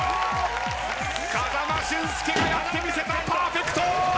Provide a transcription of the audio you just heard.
風間俊介がやってみせたパーフェクト！